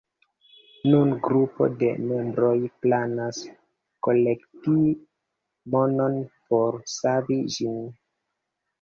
Nun grupo de membroj planas kolekti monon por savi ĝin.